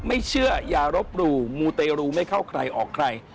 ไม่เชื่ออย่ารบหลู่มูเตรูไม่เข้าใครออกใคร